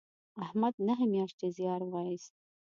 احمد نهه میاشتې زیار و ایست